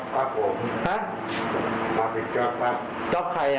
นะครับจ๊อบกับผม